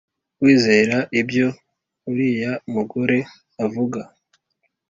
wizera ibyo uriya mugore avuga